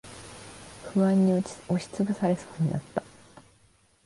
不安に押しつぶされそうになった。